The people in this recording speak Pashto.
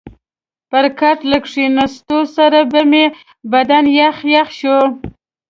پر کټ له کښېنستو سره به مې بدن یخ یخ شو.